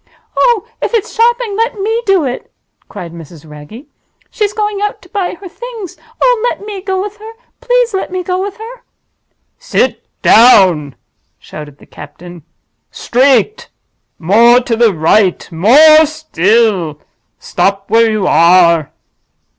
"Oh, if it's shopping, let me do it!" cried Mrs. Wragge. "She's going out to buy her Things! Oh, let me go with her—please let me go with her!" "Sit down!" shouted the captain. "Straight! more to the right—more still. Stop where you are!"